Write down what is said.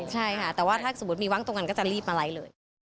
ใช่ค่ะแต่ว่าถ้าสมมุติมีว่างตรงกันก็จะรีบมาไลค์เลย